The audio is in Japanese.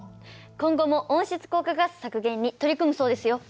今後も温室効果ガス削減に取り組むそうですよ。